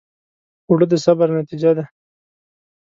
اوړه د صبر نتیجه ده